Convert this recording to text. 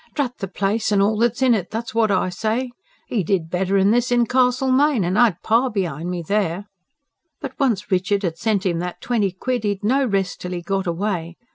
"Drat the place and all that's in it, that's what I say! He did better'n this in Castlemaine; and I'd pa behind me there. But once Richard had sent 'im that twenty quid, he'd no rest till he got away.